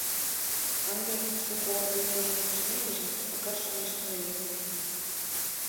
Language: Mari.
Ынде, шуко орлык ужын коштмекыже, Сакар шонаш тунемын.